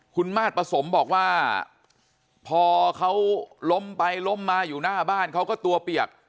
คุณมาสประสมบอกว่าพอเขาล้มไปล้มมาอยู่หน้าบ้านเขาก็ตัวเปียก